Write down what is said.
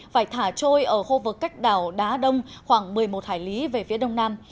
phải thả trôi ở khu vực cách đảo đá đông khoảng một mươi một hải lý về phía đông nam